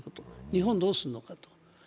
日本はどうするのかと。